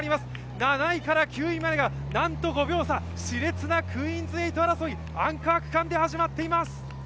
７位から９位までが、なんと５秒差し烈なクイーンズ８争い、アンカー区間で始まっています。